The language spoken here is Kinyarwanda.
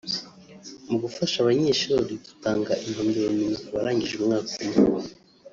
Mu gufasha abanyeshuri dutanga impamyabumenyi ku barangije umwaka umwe